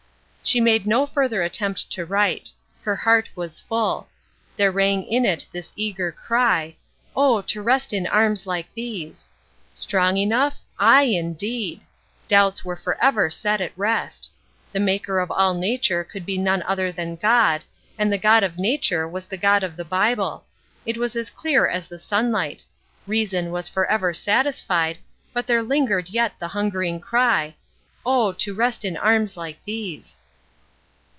She made no further attempt to write; her heart was full; there rang in it this eager cry, "Oh, to rest in arms like these!" Strong enough? Aye, indeed! Doubts were forever set at rest. The Maker of all nature could be none other than God, and the God of nature was the God of the Bible. It was as clear as the sunlight. Reason was forever satisfied, but there lingered yet the hungering cry, "Oh, to rest in arms like these!"